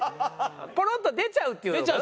ポロッと出ちゃうっていうのかな。